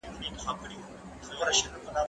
دا اوبه له هغو تازه دي،